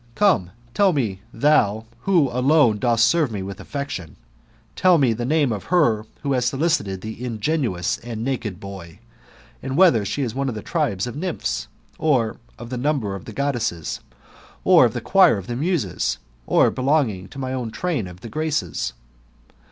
Come, tell me, thou who alone dost serve me with affection, tell me the name of her who has solicited the ingenuous and naked boy, and whether she is one of the tribes of Nymphs, or of the number of the Goddesses, or of the choir of the Muses, <x belonging to my train of the Graces?'